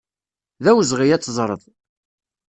D awezɣi ad teẓreḍ.